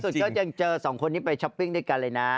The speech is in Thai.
คราวสุดนี่ก็จะเจอสองคนนี้ไปช้อปปิ้งด้วยกันเลยนะ